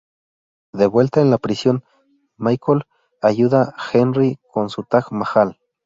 De vuelta en la prisión, Michael ayuda a Henry con su Taj Mahal.